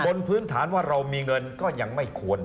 พื้นฐานว่าเรามีเงินก็ยังไม่ควร